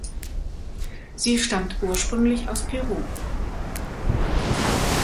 Sie stammt ursprünglich aus Peru.